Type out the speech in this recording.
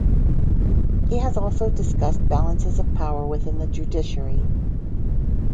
He has also discussed balances of power within the judiciary.